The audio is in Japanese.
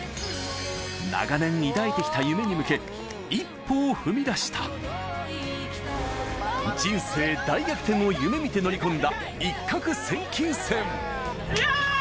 長年抱いてきた夢に向け一歩を踏み出した人生大逆転を夢見て乗り込んだ一攫千金船イエイ！